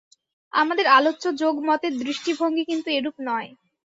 আমাদের আলোচ্য যোগ-মতের দৃষ্টিভঙ্গী কিন্তু এরূপ নয়।